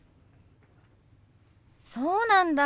そうなんだ。